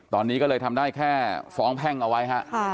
ตอนนี้ก็เลยทำได้แค่ฟ้องแพ่งเอาไว้ฮะ